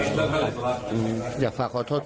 เราทำไปเพื่ออะไร๖โรงเรียน